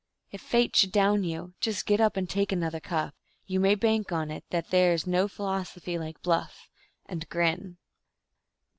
If Fate should down you, just get up and take another cuff; You may bank on it that there is no philosophy like bluff, And grin.